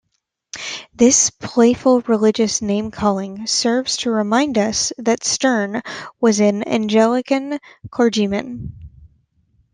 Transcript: This playful religious name-calling serves to remind us that Sterne was an Anglican clergyman.